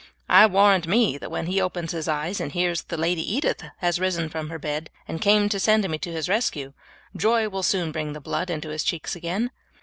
I warrant me that when he opens his eyes and hears that the lady Edith has risen from her bed and came to send me to his rescue, joy will soon bring the blood into his cheeks again.